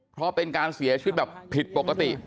เพราะเป็นการเสียชีวิตแบบผิดปกติ